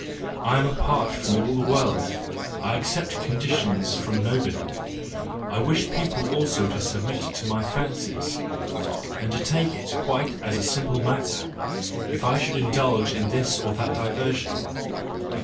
I am apart from all the world, I accept conditions from nobody. I wish people also to submit to my fancies, and to take it quite as a simple matter, if I should indulge in this or that diversion."